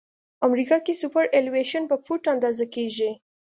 امریکا کې سوپرایلیویشن په فوټ اندازه کیږي